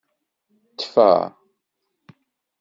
Tfa.